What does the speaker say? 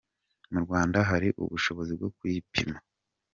Mu Rwanda hari ubushobozi bwo kuyipima.